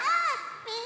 みんな！